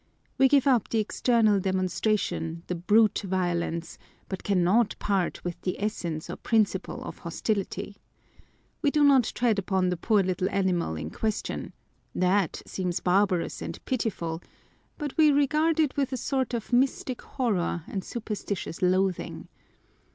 We give up the external demonstration, the brute violence, but cannot part with the essence or principle of hostility. We do not tread upon the poor little animal in question (that seems barbarous and pitiful !) but we regard it with a sort of On the Pleasure of Hating. 177 mystic horror and superstitious loathing.